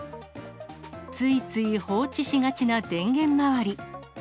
ついつい放置しがちな電源周り。